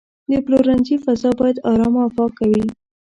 د پلورنځي فضا باید آرامه او پاکه وي.